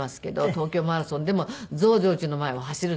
東京マラソンでも増上寺の前を走るんですけど。